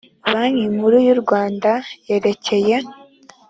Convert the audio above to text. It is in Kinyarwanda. banki nkuru y u rwanda yerekeye